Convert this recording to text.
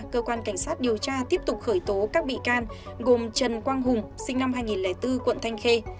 cơ quan cảnh sát điều tra tiếp tục khởi tố các bị can gồm trần quang hùng sinh năm hai nghìn bốn quận thanh khê